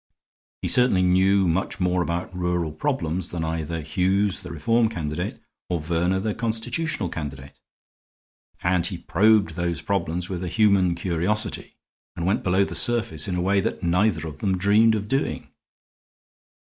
He certainly knew much more about rural problems than either Hughes, the Reform candidate, or Verner, the Constitutional candidate. And he probed those problems with a human curiosity, and went below the surface in a way that neither of them dreamed of doing.